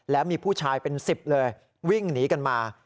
แล้วมีผู้ชายเป็น๑๐เลยวิ่งหนีกันมา